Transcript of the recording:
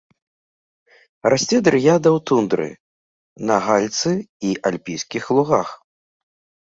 Расце дрыяда ў тундры, на гальцы і альпійскіх лугах.